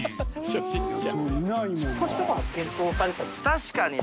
確かに。